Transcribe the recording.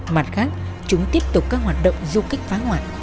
mặt khác chúng tiếp tục các hoạt động du kích phá hoại